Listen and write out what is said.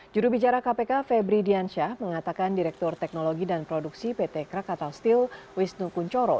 jurubicara kpk febri diansyah mengatakan direktur teknologi dan produksi pt krakatau steel wisnu kunchoro